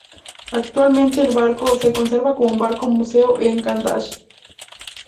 Actualmente el barco se conserva como barco museo en Gdańsk.